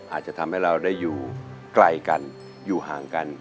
อาจจะทำให้เราได้อยู่ไกลกันอยู่ห่างกัน